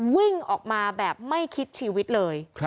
วิ่งออกมาแบบไม่คิดชีวิตเลย